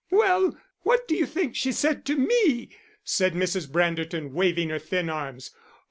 "Well, what do you think she said to me?" said Mrs. Branderton, waving her thin arms.